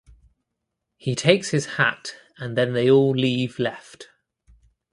He takes his hat and they all leave left.